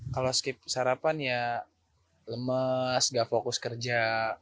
kalau skip sarapan ya lemes nggak fokus kerja